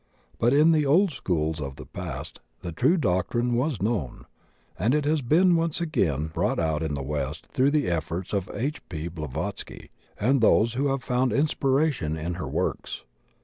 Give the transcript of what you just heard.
But in the old schools of the past the true doctrine was known, and it has been once again brought out in the West through the efforts of H. P. Blavatsky and those who have found inspiration in her works.